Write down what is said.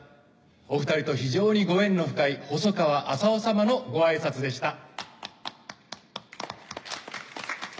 お２人と非常にご縁の深い細川朝男様のご挨拶でした。